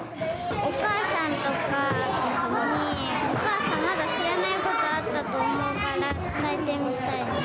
お母さんとかにお母さん、まだ知らないことあったと思うから伝えてみたい。